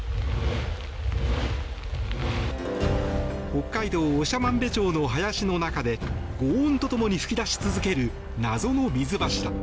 北海道長万部町の林の中でごう音とともに噴き出し続ける謎の水柱。